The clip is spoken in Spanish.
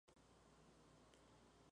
Ralph Darling.